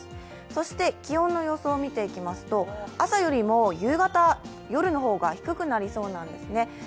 そして気温の予想を見ていきますと朝よりも夕方、夜の方が低くなりそうなんですね。